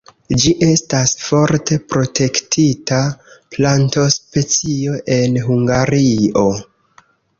Ĝi estas forte protektita plantospecio en Hungario.